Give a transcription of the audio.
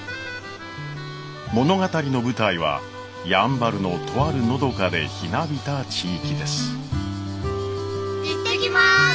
物語の舞台はやんばるのとあるのどかでひなびた地域です。